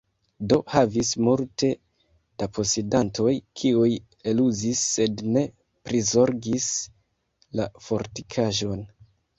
Do, havis multe da posedantoj, kiuj eluzis sed ne prizorgis la fortikaĵon.